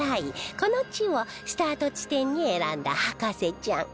この地をスタート地点に選んだ博士ちゃん